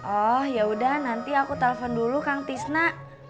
oh yaudah nanti aku telpon dulu kang tisna